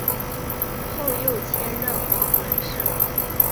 后又迁任黄门侍郎。